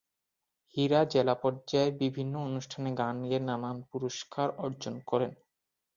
হীরা জেলা পর্যায়ের বিভিন্ন অনুষ্ঠানে গান গেয়ে নানা পুরস্কার অর্জন করেন।